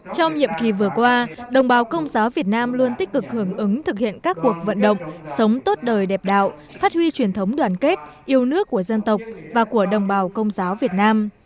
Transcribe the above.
trong nhiệm kỳ vừa qua đồng bào công giáo việt nam luôn tích cực hưởng ứng thực hiện các cuộc vận động sống tốt đời đẹp đạo phát huy truyền thống đoàn kết yêu nước của dân tộc và của đồng bào công giáo việt nam